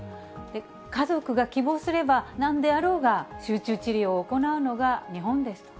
家族が希望すれば、なんであろうが、集中治療を行うのが日本です。